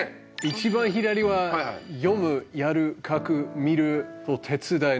一番左は「読む」「やる」「書く」「見る」「手つだい」。